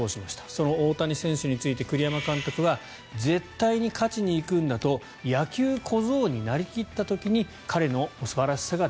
その大谷選手について栗山監督は絶対に勝ちに行くんだと野球小僧になり切った時に彼の素晴らしさが